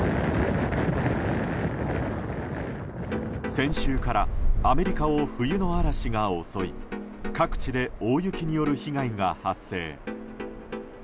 先週からアメリカを冬の嵐が襲い各地で大雪による被害が発生。